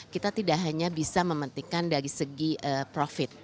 kita tidak hanya bisa mementingkan dari segi profit